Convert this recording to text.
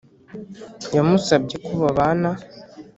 yamusabye ko babana